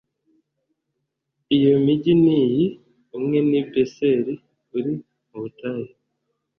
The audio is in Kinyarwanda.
iyo migi ni iyi: umwe ni beseri uri mu butayu